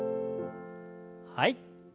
はい。